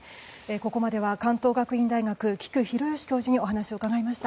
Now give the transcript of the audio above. ここまでは関東学院教授の規矩大義さんにお話を伺いました。